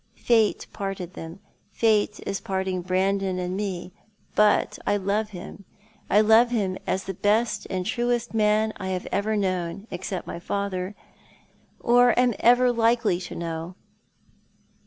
Fate parted them. Fate is parting Brandon and me — but I love him, I love him as the best and truest man I have ever known — except my father — or am ever likely to know."